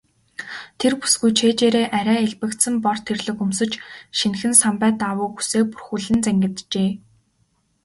Тэр бүсгүй цээжээрээ арай элбэгдсэн бор тэрлэг өмсөж, шинэхэн самбай даавууг үсээ бүрхүүлэн зангиджээ.